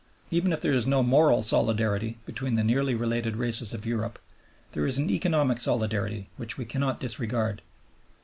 Even if there is no moral solidarity between the nearly related races of Europe, there is an economic solidarity which we cannot disregard.